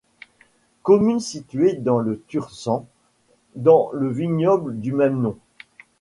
Commune située dans le Tursan, dans le vignoble du même nom.